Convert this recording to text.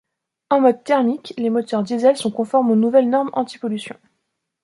En mode thermique, les moteurs Diesel sont conformes aux nouvelles normes anti-pollution.